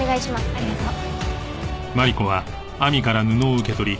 ありがとう。